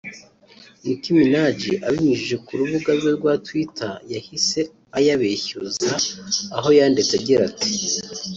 Nicki Minaj abinyujije ku rubuga rwe rwa twitter yahise ayabeshyuza aho yandite agira ati